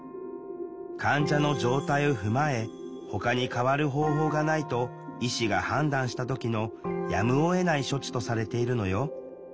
患者の状態を踏まえほかに代わる方法がないと医師が判断した時のやむをえない処置とされているのよ